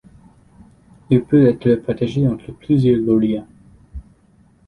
Il peut être partagé entre plusieurs lauréats.